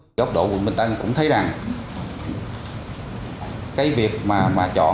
đối với ốc độ quận bình tân cũng thấy rằng cái việc mà chọn